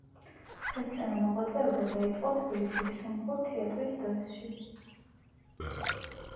სასცენო მოღვაწეობა დაიწყო თბილისის სომხურ თეატრის დასში.